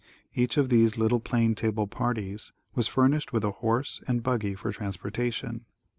Each of these little plane table parties was furnished with a horse and buggy for transportation.